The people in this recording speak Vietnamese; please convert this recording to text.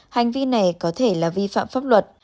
hành vi này có thể là vi phạm pháp luật